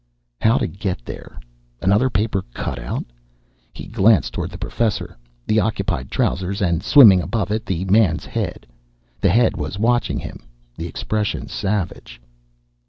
How to get there? Another paper cutout? He glanced toward the Professor the occupied trousers, and swimming above it, the man's head. The head was watching him, the expression savage.